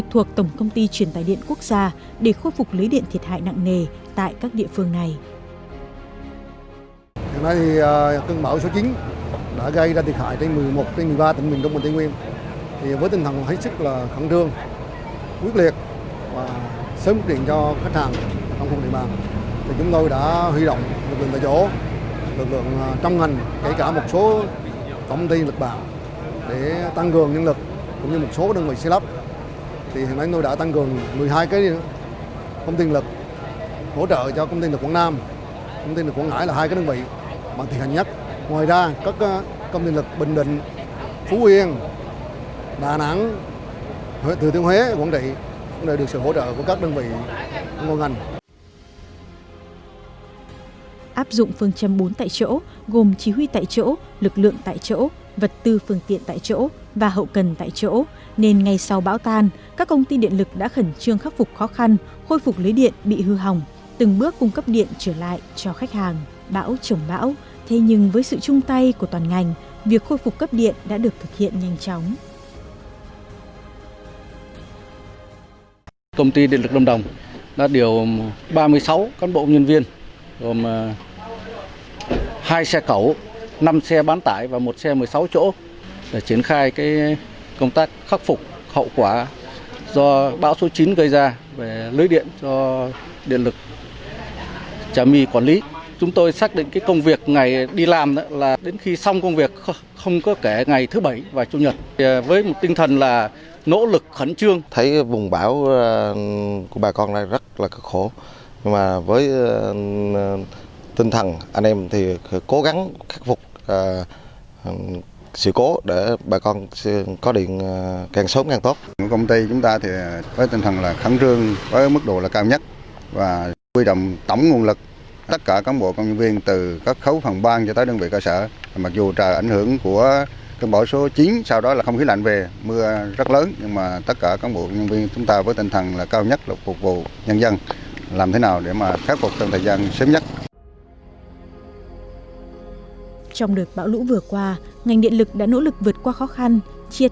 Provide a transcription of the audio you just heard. huyện vĩnh linh tỉnh quảng trị huyện vĩnh linh tỉnh quảng trị huyện linh tỉnh quảng trị huyện linh tỉnh quảng trị huyện linh tỉnh quảng trị huyện linh tỉnh quảng trị huyện linh tỉnh quảng trị huyện linh tỉnh quảng trị huyện linh tỉnh quảng trị huyện linh tỉnh quảng trị huyện linh tỉnh quảng trị huyện linh tỉnh quảng trị huyện linh tỉnh quảng trị huyện linh tỉnh quảng trị huyện linh tỉnh quảng trị huyện linh tỉnh quảng trị huyện linh t